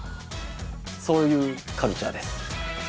そういうカルチャーです。